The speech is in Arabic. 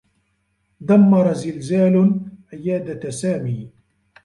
دمّر زلزال عيادة سامي.